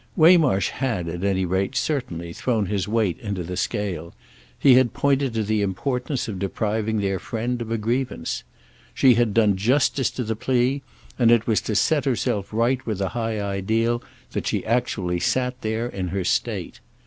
Waymarsh had at any rate, certainly, thrown his weight into the scale—he had pointed to the importance of depriving their friend of a grievance. She had done justice to the plea, and it was to set herself right with a high ideal that she actually sat there in her state.